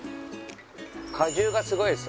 果汁がすごいです。